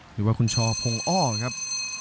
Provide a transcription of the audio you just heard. หรือว่าคุณชอพงอ้อครับ